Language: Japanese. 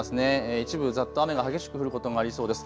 一部ざっと雨が激しく降ることがありそうです。